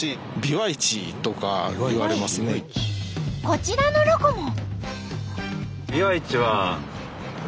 こちらのロコも。